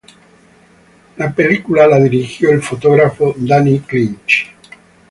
La película fue dirigida por el fotógrafo Danny Clinch.